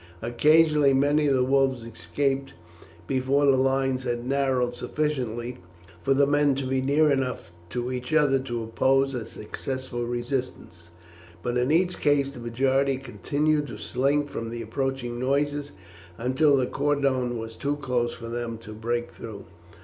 Occasionally many of the wolves escaped before the lines had narrowed sufficiently for the men to be near enough to each other to oppose a successful resistance, but in each case the majority continued to slink from the approaching noises until the cordon was too close for them to break through.